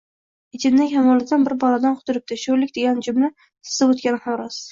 Ichimdan Kamoliddin bir balodan qutulibdi, sho`rlik degan jumla sizib o`tgani ham rost